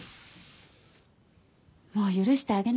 もう許してあげなさい